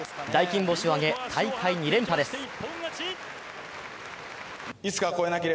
大金星を挙げ、大会２連覇です。